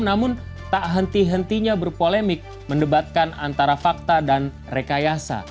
namun tak henti hentinya berpolemik mendebatkan antara fakta dan rekayasa